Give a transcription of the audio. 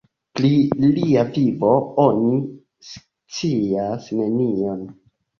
Pri lia vivo oni scias nenion.